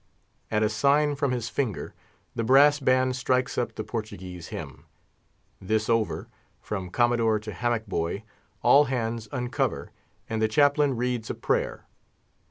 At a sign from his finger, the brass band strikes up the Portuguese hymn. This over, from Commodore to hammock boy, all hands uncover, and the Chaplain reads a prayer.